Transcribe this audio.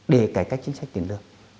để cải cách chính sách tiền lương